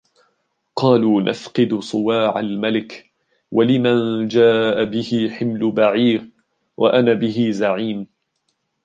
قَالُوا نَفْقِدُ صُوَاعَ الْمَلِكِ وَلِمَنْ جَاءَ بِهِ حِمْلُ بَعِيرٍ وَأَنَا بِهِ زَعِيمٌ